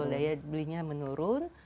betul daya belinya menurun